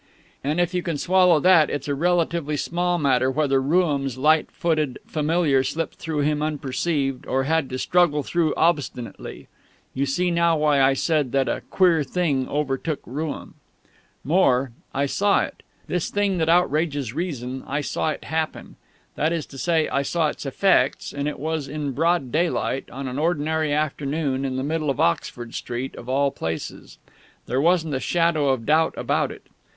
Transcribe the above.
And if you can swallow that, it's a relatively small matter whether Rooum's light footed Familiar slipped through him unperceived, or had to struggle through obstinately. You see now why I said that "a queer thing overtook Rooum." More: I saw it. This thing, that outrages reason I saw it happen. That is to say, I saw its effects, and it was in broad daylight, on an ordinary afternoon, in the middle of Oxford Street, of all places. There wasn't a shadow of doubt about it.